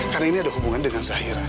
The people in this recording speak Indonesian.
karena ini ada hubungan dengan zahira